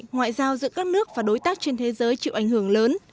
ngoại giao giữa các nước và đối tác trên thế giới chịu ảnh hưởng lớn